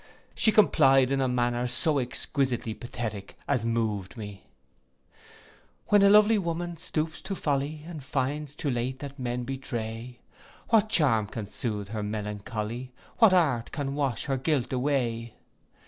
She complied in a manner so exquisitely pathetic as moved me. When lovely woman stoops to folly, And finds too late that men betray, What charm can sooth her melancholy, What art can wash her guilt away?